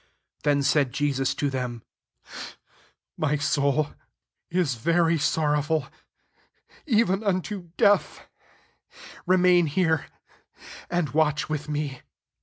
38 Then said Jesus to them, '* My soul is very sorrowful, even un to death: remain here, and watch with me."